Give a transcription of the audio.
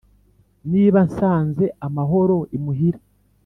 niba nsanze amahoro imuhira